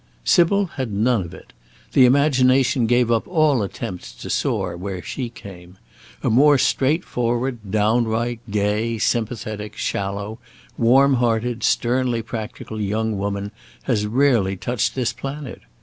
Sybil had none of it. The imagination gave up all attempts to soar where she came. A more straightforward, downright, gay, sympathetic, shallow, warm hearted, sternly practical young woman has rarely touched this planet.